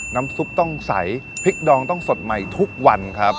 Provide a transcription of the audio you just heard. น้ำซุปต้องใสพริกดองต้องสดใหม่ทุกวันครับ